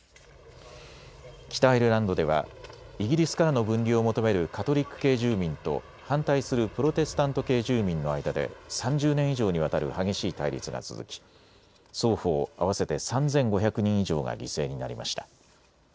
北アイルランドではイギリスからの分離を求めるカトリック系住民と反対するプロテスタント系住民の間で３０年以上にわたる激しい対立が続き、双方合わせて３５００人以上が犠牲になりました。